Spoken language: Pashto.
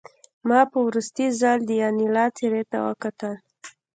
ما په وروستي ځل د انیلا څېرې ته وکتل